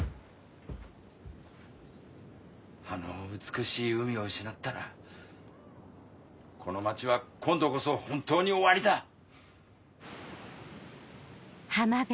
あの美しい海を失ったらこの町は今度こそ本当に終わりだ。